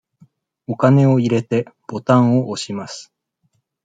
お金を入れて、ボタンを押します。